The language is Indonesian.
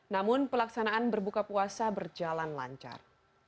namun pelaksanaan berbuka puasa berjalan lancar